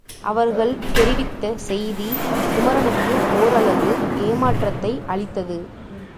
அவர்கள் தெரிவித்த செய்தி குமரனுக்கு ஓரளவு ஏமாற்றத்தை அளித்தது.